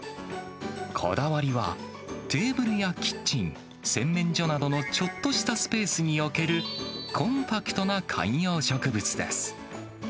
こだわりは、テーブルやキッチン、洗面所などのちょっとしたスペースに置ける、コンパクトな観葉植